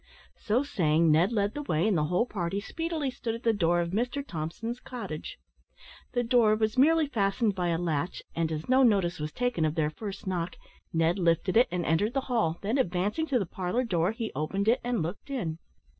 So saying, Ned led the way, and the whole party speedily stood at the door of Mr Thompson's cottage. The door was merely fastened by a latch, and as no notice was taken of their first knock, Ned lifted it and entered the hall, then advancing to the parlour door, he opened it and looked in.